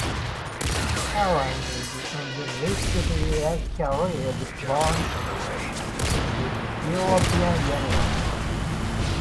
The airline is on the List of air carriers banned in the European Union.